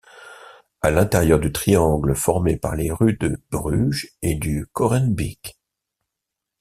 À l'intérieur du triangle formé par les rues de Bruges et du Korenbeek.